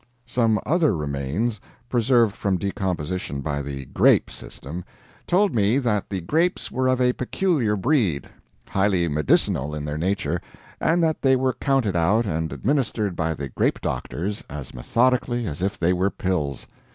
Some other remains, preserved from decomposition by the grape system, told me that the grapes were of a peculiar breed, highly medicinal in their nature, and that they were counted out and administered by the grape doctors as methodically as if they were pills.